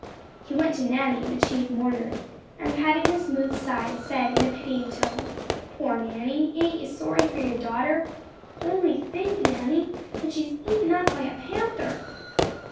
He went to Nanny, the chief mourner, and patting her smooth side said, in a pitying tone, "Poor Nanny! Ain't you sorry for your daughter? Only think, Nanny, that she is eaten up by a panther!"